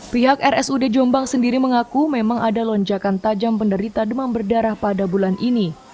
pihak rsud jombang sendiri mengaku memang ada lonjakan tajam penderita demam berdarah pada bulan ini